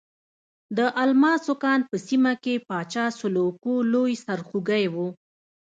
د الماسو کان په سیمه کې پاچا سلوکو لوی سرخوږی وو.